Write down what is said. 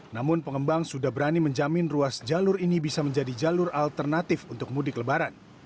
namun pengembang sudah berani menjamin ruas jalur ini bisa menjadi jalur alternatif untuk mudik lebaran